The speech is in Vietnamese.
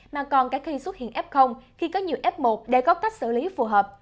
mà còn cả khi xuất hiện f khi có nhiều f một để có cách xử lý phù hợp